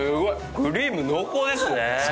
クリーム濃厚ですね。